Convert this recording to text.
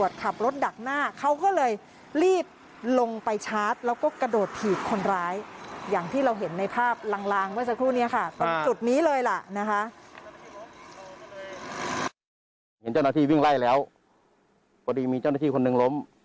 เห็นเจ้าหน้าที่วิ่งไล่แล้วพอดีมีเจ้าหน้าที่คนหนึ่งล้ม